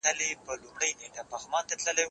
زه باید منډه ووهم،